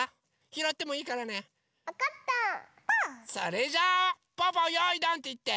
それじゃぽぅぽ「よいどん」っていって。